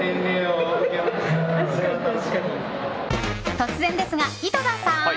突然ですが、井戸田さん。